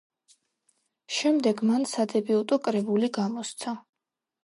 შემდეგ მან სადებიუტო კრებული გამოსცა.